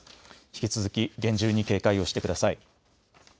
引き続き厳重に警戒をしてください。